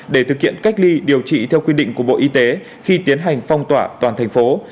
để thực hiện cách ly điều trị theo quy định của bộ y tế khi tiến hành phong tỏa toàn thành phố